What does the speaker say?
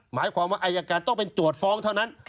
หมายความว่าอายการต้องเป็นโจทย์ฟ้องเท่านั้น